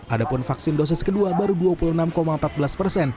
adapun vaksin dosis kedua baru dua puluh enam empat belas persen